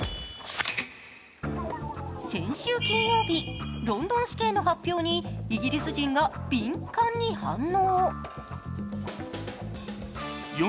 先週金曜日、ロンドン市警の発表にイギリス人が敏感に反応。